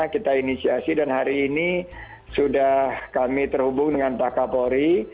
kita inisiasi dan hari ini sudah kami terhubung dengan pak kapolri